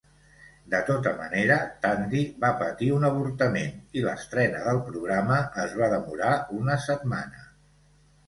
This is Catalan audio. De tota manera, Tandy va patir un avortament i l'estrena del programa es va demorar una setmana.